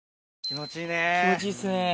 気持ちいいですね。